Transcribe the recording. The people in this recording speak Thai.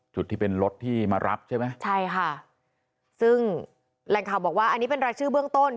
จุดที่เป็นรถที่มารับใช่ไหมใช่ค่ะซึ่งแหล่งข่าวบอกว่าอันนี้เป็นรายชื่อเบื้องต้น